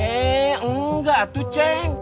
eee enggak tuh ceng